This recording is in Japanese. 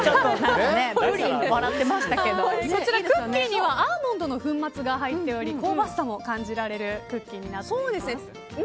そちら、クッキーにはアーモンドの粉末が入っており香ばしさも感じられるクッキーになっています。